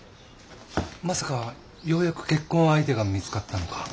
まさかようやく結婚相手が見つかったのか？